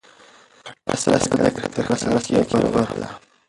پټه صدقه تر ښکاره صدقې غوره ده.